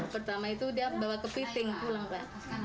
pertama itu dia bawa ke piting pulang pak